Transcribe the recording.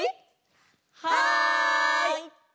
はい！